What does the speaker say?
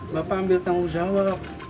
bapak ambil tanggung jawab